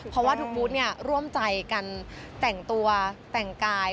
เพราะว่าทุกบูธร่วมใจกันแต่งตัวแต่งกาย